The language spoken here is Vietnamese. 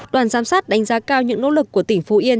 đoàn giám sát đánh giá cao những nỗ lực của tỉnh phú yên